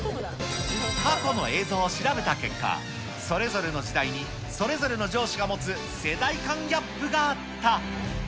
過去の映像を調べた結果、それぞれの時代にそれぞれの上司が持つ世代間ギャップがあった。